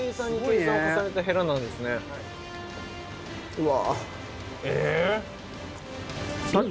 うわ。